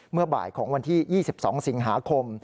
เมื่อบ่ายของวันที่๒๒สิงหาคม